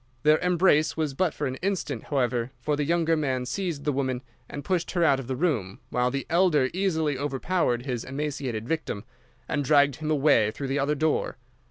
Their embrace was but for an instant, however, for the younger man seized the woman and pushed her out of the room, while the elder easily overpowered his emaciated victim, and dragged him away through the other door.